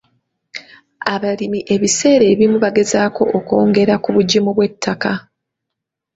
Abalimi ebiseera ebimu bagezaako okwongera ku bugimu bw'ettaka.